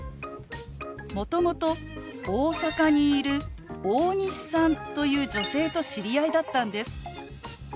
もともと大阪にいる大西さんという女性と知り合いだったんです。